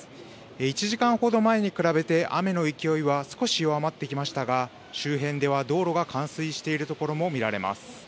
１時間ほど前に比べて、雨の勢いは少し弱まってきましたが、周辺では道路が冠水している所も見られます。